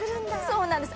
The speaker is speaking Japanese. そうなんです。